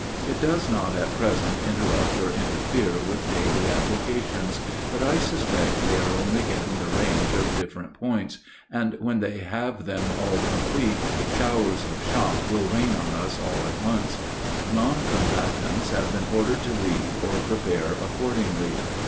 It does not at present interrupt or interfere with daily avocations, but I suspect they are only getting the range of different points; and when they have them all complete, showers of shot will rain on us all at once. Non combatants have been ordered to leave or prepare accordingly.